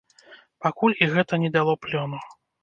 Пакуль і гэта не дало плёну.